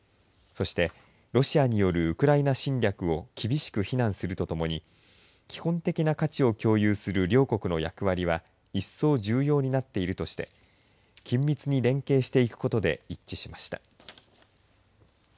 そして、ロシアによるウクライナ侵略を厳しく非難するとともに基本的な価値を共有する両国の役割は一層重要になっているとして緊密に連携していくことで一致しました。